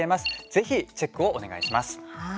ぜひチェックをお願いします。